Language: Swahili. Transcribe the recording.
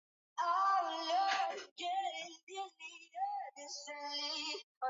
Gabon imefanya kazi kubwa kushughulikia usafi na usafi wa mazingira